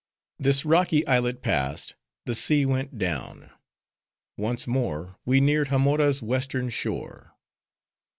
'" This rocky islet passed, the sea went down; once more we neared Hamora's western shore.